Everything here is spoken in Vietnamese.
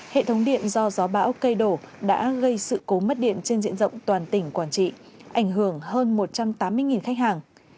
hệ thống điện do gió bão cây đổ đã gây sự cố mất điện trên diện rộng toàn tỉnh quảng trị ảnh hưởng hơn một trăm tám mươi khách hàng